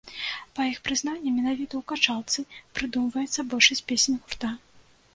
Па іх прызнанні, менавіта ў качалцы прыдумваецца большасць песень гурта.